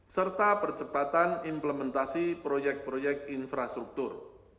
serta percepatan implementasi proyek proyek infrastruktur